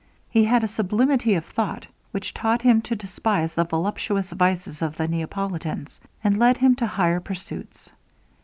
He had a sublimity of thought, which taught him to despise the voluptuous vices of the Neapolitans, and led him to higher pursuits.